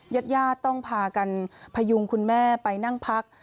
ญาติญาติต้องพากันพยุงคุณแม่ไปนั่งพัก